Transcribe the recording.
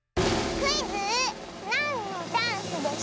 クイズ「なんのダンスでしょう」！